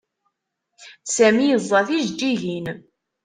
Sami yeẓẓa tijeǧǧigin.